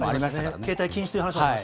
携帯禁止という話もありまし